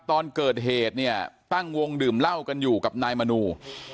ตอนเกิดเหตุเนี่ยตั้งวงดื่มเหล้ากันอยู่กับนายมนู